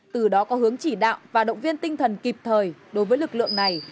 từ đó có hướng chỉ đạo và động viên tinh thần kịp thời đối với lực lượng này